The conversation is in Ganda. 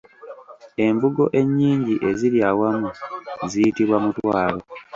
Embugo ennyingi eziri awamu ziyitibwa Mutwalo.